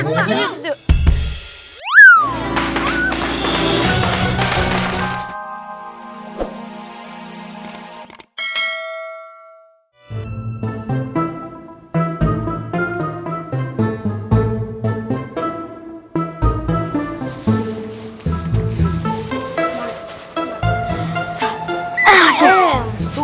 katanya di daerah helper